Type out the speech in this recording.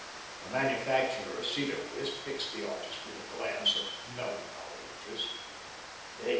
The manufacturer, Cedarquist, fixed the artist with a glance of melancholy interest.